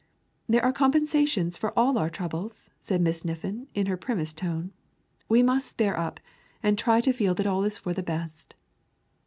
"There are compensations for all our troubles," said Miss Niffin in her primmest tone. "We must bear up, and try to feel that all is for the best."